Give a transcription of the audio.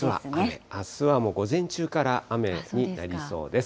あすは午前中から雨になりそうです。